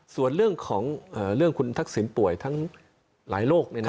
ส่วนเรื่องของเรื่องคุณทักษิณป่วยทั้งหลายโรค